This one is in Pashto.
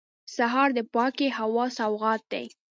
سهار د پاکې هوا سوغات دی.